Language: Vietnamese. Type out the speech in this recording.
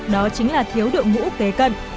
đó chính là thiếu độ ngũ kế cận